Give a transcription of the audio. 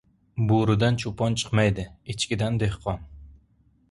• Bo‘ridan cho‘pon chiqmaydi, echkidan — dehqon.